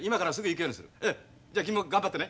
じゃあ君も頑張ってね。